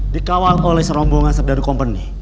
dikawal oleh serombongan serdaru kompeni